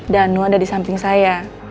danu ada disamping saya